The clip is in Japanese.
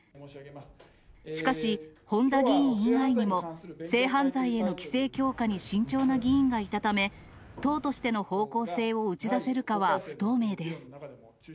しかし、本多議員以外にも、性犯罪の規制強化に慎重な議員がいたため、党としての方向性を打ち出せるかは不透明です。